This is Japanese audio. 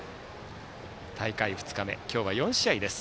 大会２日目、今日は４試合です。